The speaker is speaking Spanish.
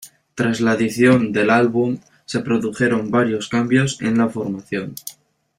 Tras la edición del álbum, se produjeron varios cambios en la formación.